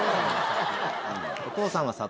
お父さんは。